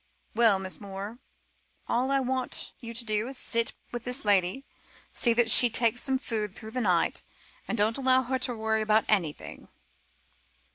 "Well, Miss Moore, all I want you to do is to sit with this lady, see that she takes some food through the night, and don't allow her to worry about anything."